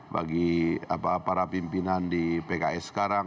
bagi para pimpinan di pks sekarang